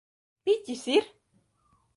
Piķis ir?